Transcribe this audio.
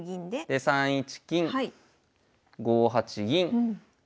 で３一金５八銀。